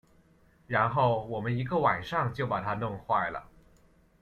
然后我们一个晚上就把它弄坏了